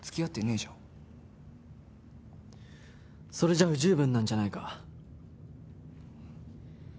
それじゃ不十分なんじゃないか？